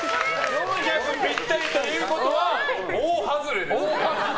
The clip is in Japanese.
４００ぴったりということは大外れです。